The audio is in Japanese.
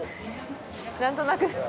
何となく。